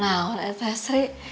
nah oleh atasnya sri